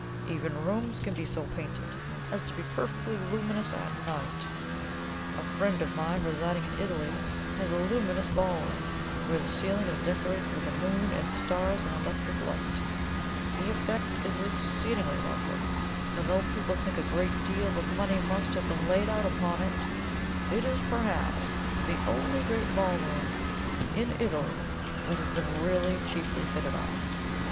Even rooms can be so painted as to be perfectly luminous at night. A friend of mine, residing in Italy, has a luminous ballroom, where the ceiling is decorated with a moon and stars in electric light. The effect is exceedingly lovely; and though people think a great deal of money must have been laid out upon it, it is perhaps the only great ballroom in Italy that has been really cheaply fitted up.